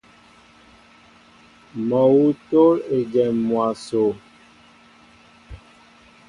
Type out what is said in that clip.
Mol awŭ tól ejém mwaso.